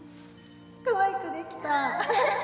かわいくできた。